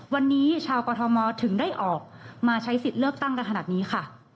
วันนี้ชาวกรทมถึงได้ออกมาใช้สิทธิ์เลือกตั้งกันขนาดนี้ค่ะ